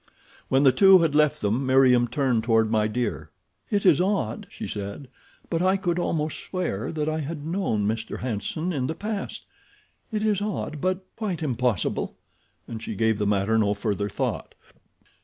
When the two had left them Meriem turned toward My Dear. "It is odd," she said, "but I could almost swear that I had known Mr. Hanson in the past. It is odd, but quite impossible," and she gave the matter no further thought.